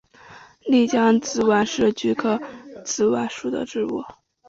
丽江紫菀是菊科紫菀属的植物。